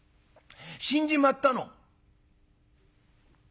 「死んじまったの」。